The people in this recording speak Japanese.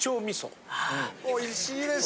おいしいです。